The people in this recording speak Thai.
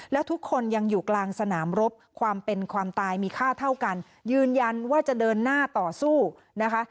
และทุกคนยังอยู่กลางสนามรบความเป็นความตายมีค่าเท่ากันยืนยันว่าจะเดินหน้าต่อสู้นะคะ